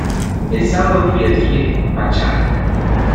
El sábado fui al Sweet Pachá.